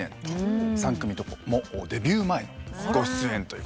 ３組ともデビュー前のご出演と。